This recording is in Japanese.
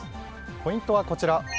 ポイントはこちら。